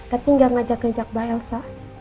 tapi gak ngajak ngajak mbak elsa